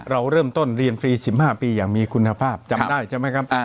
เราเริ่มต้นเรียนฟรี๑๕ปีอย่างมีคุณภาพจำได้ใช่ไหมครับ